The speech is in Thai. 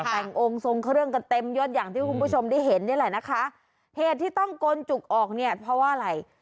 แต่งองค์ทรงเครื่องกันเต็มยดอย่างที่คุณผู้ชมได้เห็นนี่แหละนะคะเหตุที่ต้องกลจุกออกเนี่ยเพราะว่าอะไร